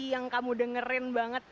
yang kamu dengerin banget